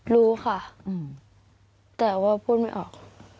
รู้ค่ะแต่ว่าพูดไม่ออก